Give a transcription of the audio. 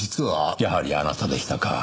やはりあなたでしたか。